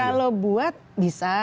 kalau buat bisa